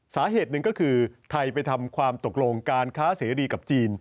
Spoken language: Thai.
สาเหตุหนึ่งก็คือไทยไปทำความตกลงการค้าเสรีกับจีน